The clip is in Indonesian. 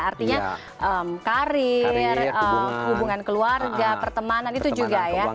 artinya karir hubungan keluarga pertemanan itu juga ya